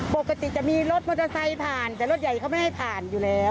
ปกติจะมีรถมอเตอร์ไซค์ผ่านแต่รถใหญ่เขาไม่ให้ผ่านอยู่แล้ว